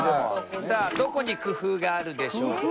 さあどこに工夫があるでしょうか？